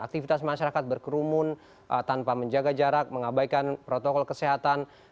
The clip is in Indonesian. aktivitas masyarakat berkerumun tanpa menjaga jarak mengabaikan protokol kesehatan